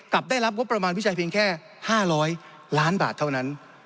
ได้รับงบประมาณวิจัยเพียงแค่๕๐๐ล้านบาทเท่านั้น